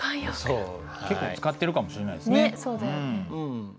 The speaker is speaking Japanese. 結構使ってるかもしれないですね。